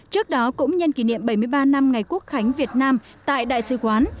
trước đó cũng nhân kỷ niệm bảy mươi ba năm ngày quốc khánh việt nam tại đại sứ quán